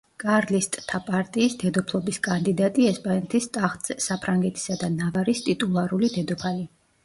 კარლისტთა პარტიის დედოფლობის კანდიდატი ესპანეთის ტახტზე, საფრანგეთისა და ნავარის ტიტულარული დედოფალი.